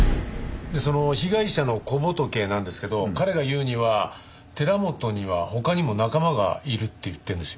その被害者の小仏なんですけど彼が言うには寺本には他にも仲間がいるって言ってるんです。